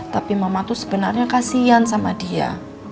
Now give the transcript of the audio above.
tapi mama tuh sebenarnya kasian sama dia